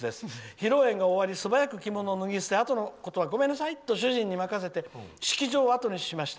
披露宴が終わりすばやく着物を脱ぎ捨てあとのことはごめんなさいと主人に任せ式場をあとにしました。